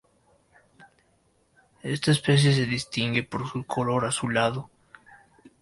Esta especie se distingue por su color azulado.